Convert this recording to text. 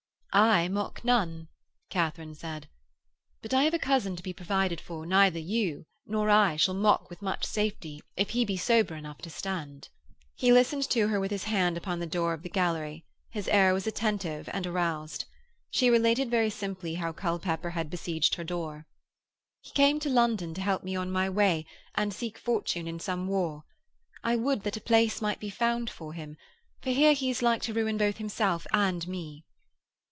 "' 'I mock none,' Katharine said. 'But I have a cousin to be provided for that neither you nor I shall mock with much safety if he be sober enough to stand.' He listened to her with his hand upon the door of the gallery: his air was attentive and aroused. She related very simply how Culpepper had besieged her door 'He came to London to help me on my way and to seek fortune in some war. I would that a place might be found for him, for here he is like to ruin both himself and me.'